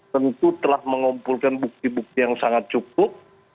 tentu telah mengumpulkan bukti bukti yang sangat cukup